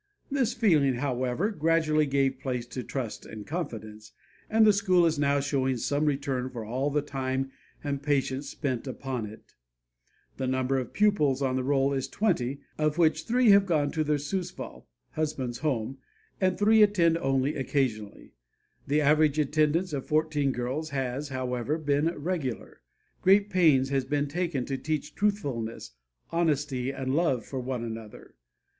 This feeling, however, gradually gave place to trust and confidence, and the school is now showing some return for all the time and patience spent upon it. The number of pupils on the roll is twenty, of which three have gone to their susval (husband's home) and three attend only occasionally. The average attendance of fourteen girls has, however, been regular. Great pains has been taken to teach truthfulness, honesty and love for one another.